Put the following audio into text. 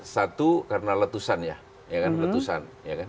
satu karena letusan ya kan letusan